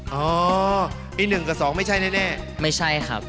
อ๋อปี๑กับ๒ไม่ใช่แน่ไม่ใช่ครับ